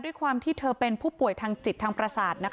ด้วยความที่เธอเป็นผู้ป่วยทางจิตทางประสาท